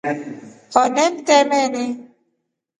Hondee mtremeni.